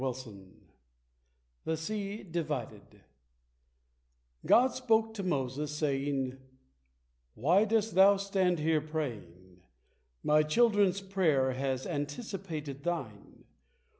THE SEA DIVIDED God spake to Moses, saying, "Why dost thou stand here praying? My children's prayer has anticipated thine.